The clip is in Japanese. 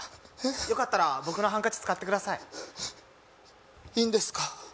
よかったら僕のハンカチ使ってくださいいいんですか？